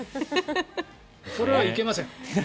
それはいけません。